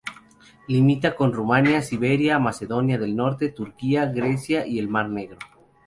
Limita con Rumanía, Serbia, Macedonia del Norte, Turquía, Grecia y el Mar Negro.